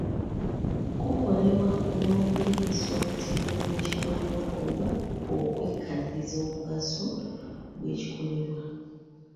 Kukolebwa olw’okulinnyisa omutindo gw’ekikolebwa oba okwekaliriza omugaso gw’ekikolebwa.